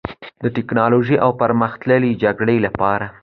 د ټیکنالوژۍ او پرمختللې جګړې لپاره